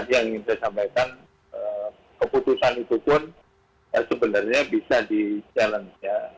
tadi yang ingin saya sampaikan keputusan itu pun sebenarnya bisa dijalankan